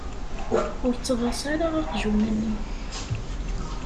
Ur ttḍas ara aqjun-nni!